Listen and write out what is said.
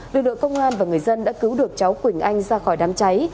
lực lượng công an và người dân đã cứu được cháu quỳnh anh ra khỏi đám cháy